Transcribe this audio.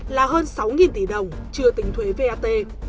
là hơn sáu tỷ đồng chưa tính thuế vat